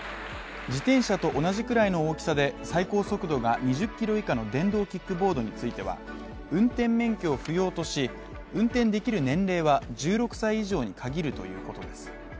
自転車と同じくらいの大きさで、最高速度が２０キロ以下の電動キックボードについては、運転免許を不要とし、運転できる年齢は１６歳以上に限るということです。